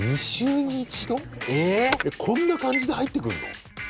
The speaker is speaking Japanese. こんな感じで入ってくんの？